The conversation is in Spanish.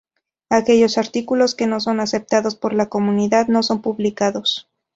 Aquellos artículos que no son aceptados por la comunidad no son publicados.